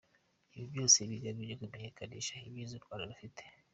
Ibi byose bigamije kumenyekanisha ibyiza u Rwanda rufite.